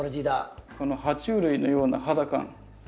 このは虫類のような肌感。